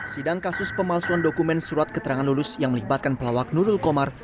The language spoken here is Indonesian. sidang kasus pemalsuan dokumen surat keterangan lulus yang melibatkan pelawak nurul komar